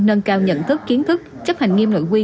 nâng cao nhận thức kiến thức chấp hành nghiêm nội quy